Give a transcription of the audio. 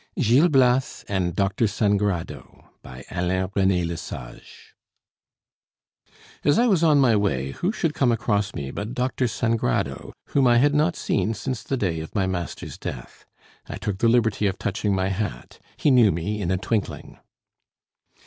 GIL BLAS AND DR. SANGRADO BY ALAIN RENE LE SAGE As I was on my way, who should come across me but Dr. Sangrado, whom I had not seen since the day of my master's death. I took the liberty of touching my hat. He knew me in a twinkling.